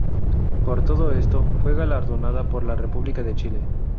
Por todo esto, fue galardonada por la República de Chile.